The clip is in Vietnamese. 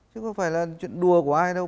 chứ không phải là chuyện đùa của ai đâu